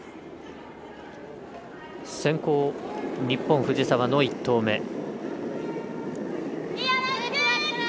先攻、日本、藤澤の１投目。